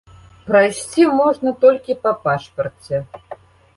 Прайсці можна толькі па пашпарце.